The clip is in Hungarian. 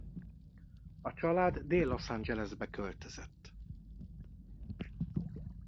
A család Dél-Los Angelesbe költözött.